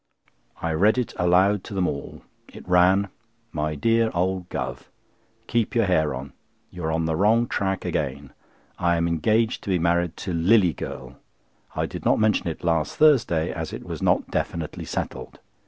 I read it aloud to them all. It ran: "My dear old Guv.,—Keep your hair on. You are on the wrong tack again. I am engaged to be married to 'Lillie Girl.' I did not mention it last Thursday, as it was not definitely settled.